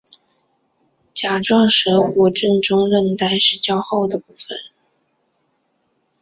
甲状舌骨正中韧带是较厚的部分。